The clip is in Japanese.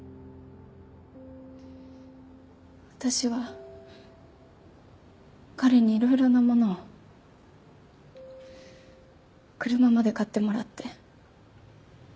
私は彼にいろいろなものを車まで買ってもらって。